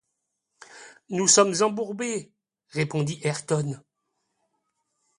Nous sommes embourbés, » répondit Ayrton.